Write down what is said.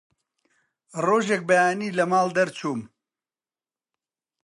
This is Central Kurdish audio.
ڕۆژێک بەیانی لە ماڵ دەرچووم